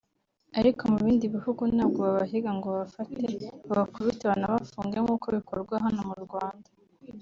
Ariko mu bindi bihugu ntabwo babahiga ngo babafate babakubite banabafunge nk’uko bikorwa hano mu Rwanda